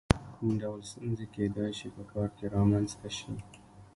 کوم ډول ستونزې کېدای شي په کار کې رامنځته شي؟